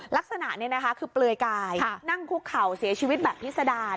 ลักษณะนี้นะคะคือเปลือยกายนั่งคุกเข่าเสียชีวิตแบบพิษดาร